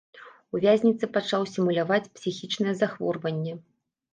У вязніцы пачаў сімуляваць псіхічнае захворванне.